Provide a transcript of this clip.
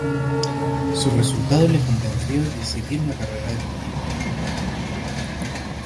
Su resultado le convenció de seguir una carrera deportiva.